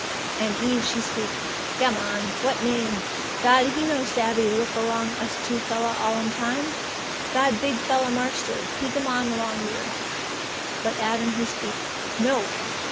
And Eve she speak, 'Gammon! What name? God He no savvee look along us two fella all 'm time. God big fella marster, He gammon along you.' But Adam he speak, 'No.